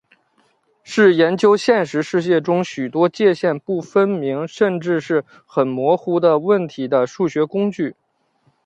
是研究现实世界中许多界限不分明甚至是很模糊的问题的数学工具。